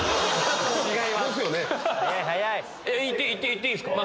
いっていいっすか？